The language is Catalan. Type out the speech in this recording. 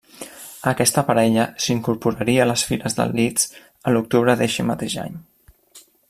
Aquesta parella s'incorporaria a les files del Leeds a l'octubre d'eixe mateix any.